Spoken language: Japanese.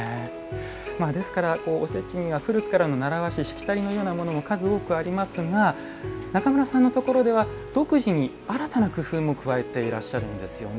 ですから、おせちには古くからの習わししきたりというものが数多くありますが中村さんのところでは独自に新たな工夫も加えていらっしゃるんですよね。